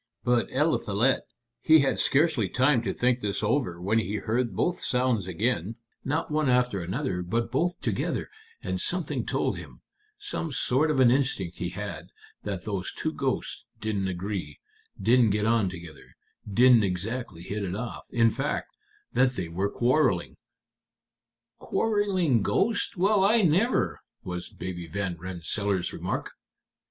But Eliphalet, he had scarcely time to think this out when he heard both sounds again, not one after another, but both together, and something told him some sort of an instinct he had that those two ghosts didn't agree, didn't get on together, didn't exactly hit it off; in fact, that they were quarreling." "Quarreling ghosts! Well, I never!" was Baby Van Rensselaer's remark.